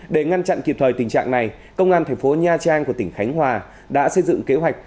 để ngăn chặn kịp thời tình trạng này công an thành phố nha trang của tỉnh khánh hòa đã xây dựng kế hoạch